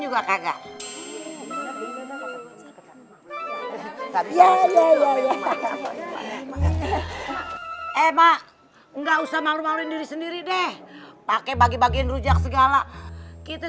juga kagak emak enggak usah malu maluin diri sendiri deh pake bagi bagiin rujak segala kita